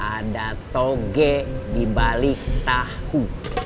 ada toge dibalik tahu